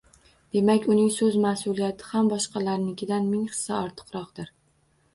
Demak, uning so’z mas’uliyati ham boshqalarnikidan ming hissa ortiqroqdir.